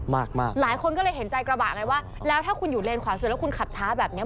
มากมากหลายคนก็เลยเห็นใจกระบะไงว่าแล้วถ้าคุณอยู่เลนขวาสุดแล้วคุณขับช้าแบบเนี้ย